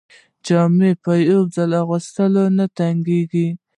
جامې په یو ځل اغوستلو نه تنګیږي.